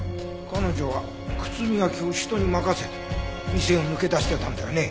彼女は靴磨きを人に任せて店を抜け出してたんだよね？